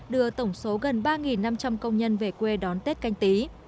đưa tổng số gần ba năm trăm linh công nhân về quê đón tết canh tí